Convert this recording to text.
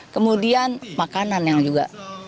kemudian makanan yang juga